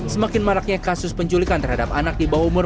semakin maraknya kasus penculikan terhadap anak di bawah umur